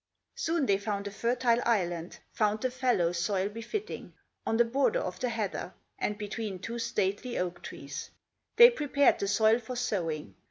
Soon they found a fertile island, Found the fallow soil befitting, On the border of the heather, And between two stately oak trees, They prepared the soil for sowing.